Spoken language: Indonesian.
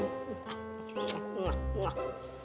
engak enggak enggak